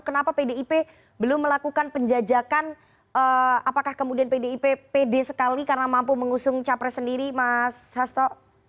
kenapa pdip belum melakukan penjajakan apakah kemudian pdip pede sekali karena mampu mengusung capres sendiri mas hasto